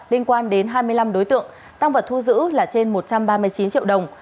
liên quan đến hai mươi năm đối tượng tăng vật thu giữ là trên một trăm ba mươi chín triệu đồng